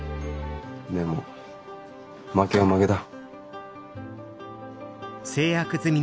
でも負けは負けだ。